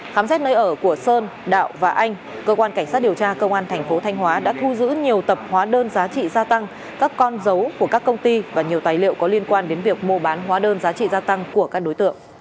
khám xét nơi ở của sơn đạo và anh cơ quan cảnh sát điều tra công an thành phố thanh hóa đã thu giữ nhiều tập hóa đơn giá trị gia tăng các con dấu của các công ty và nhiều tài liệu có liên quan đến việc mô bán hóa đơn giá trị